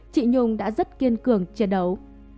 chị nhung đã rất kiên cường chiến đấu